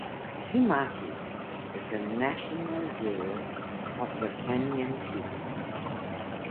Kimathi is a national hero of the Kenyan people.